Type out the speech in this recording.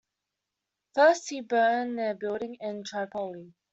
First, he burned their building in Tripoli.